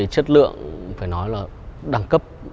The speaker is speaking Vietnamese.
chất lượng đẳng cấp